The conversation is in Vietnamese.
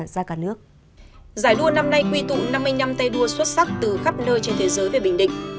giải đua năm nay quy tụ năm mươi năm tay đua xuất sắc từ khắp nơi trên thế giới về bình định